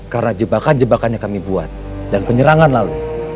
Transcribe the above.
karena jebakan jebakan yang kami buat dan penyerangan lalu